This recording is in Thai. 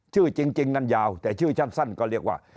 ชื่อจริงนั้นยาวแต่ชื่อสั้นก็เรียกว่า